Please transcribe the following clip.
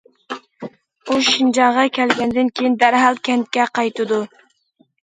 ئۇ شىنجاڭغا كەلگەندىن كېيىن دەرھال كەنتكە قايتىدۇ.